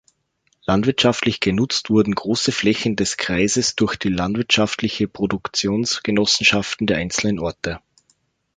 Landwirtschaftlich genutzt wurden große Flächen des Kreises durch die Landwirtschaftliche Produktionsgenossenschaften der einzelnen Orte.